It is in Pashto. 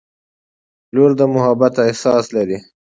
• لور د محبت احساس لري.